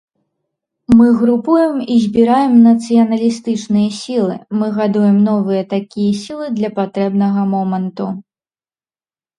Мы групуем і збіраем нацыяналістычныя сілы, мы гадуем новыя такія сілы для патрэбнага моманту.